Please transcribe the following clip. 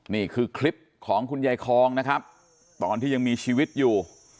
นี่คือคลิปของคุณยายคองนะครับตอนที่ยังมีชีวิตอยู่